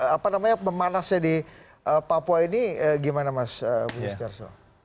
apa namanya pemanasnya di papua ini gimana mas